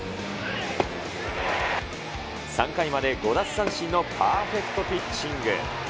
３回まで５奪三振のパーフェクトピッチング。